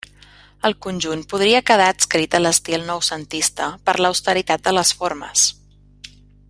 El conjunt podria quedar adscrit a l'estil noucentista per l'austeritat de les formes.